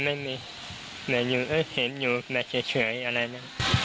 ไม่มีเห็นอยู่ก็เฉยอะไรนะ